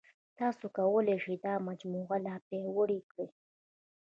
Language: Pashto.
تاسو کولای شئ دا مجموعه لا پیاوړې کړئ.